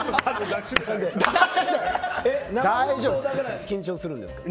何で緊張するんですか？